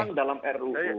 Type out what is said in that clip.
memang dalam ruu